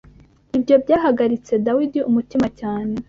Ibyo byahagaritse Dawidi umutima cyane